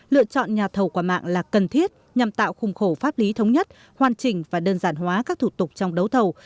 lựa chọn nhà thầu quả mạng là cần thiết nhằm tạo khung khổ pháp lý thống nhất hoàn chỉnh và đơn giản hóa các thủ tục trong đấu thầu